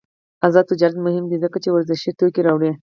آزاد تجارت مهم دی ځکه چې ورزشي توکي راوړي.